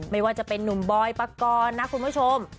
ไม่ว่าจะเป็นนุ่มบอยปกรณ์นะคุณผู้ชม